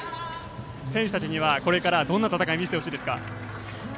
選手たちにはこれからどんな戦いを見せてほしいですか？